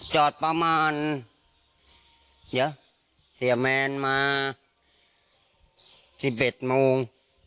จอดประมาณเสียแมนมา๑๑โมง